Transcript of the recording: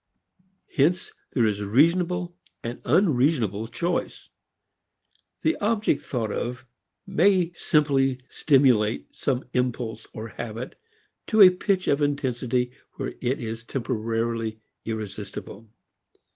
Hence there is reasonable and unreasonable choice. The object thought of may simply stimulate some impulse or habit to a pitch of intensity where it is temporarily irresistible.